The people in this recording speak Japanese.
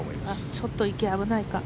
ちょっと池、危ないか。